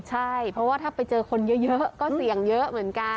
ใช่เพราะว่าถ้าไปเจอคนเยอะก็เสี่ยงเยอะเหมือนกัน